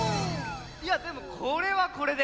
いやでもこれはこれで。